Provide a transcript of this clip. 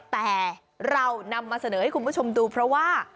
แต่เรานำมาเสนอให้คุณผู้ชมดูเพราะว่า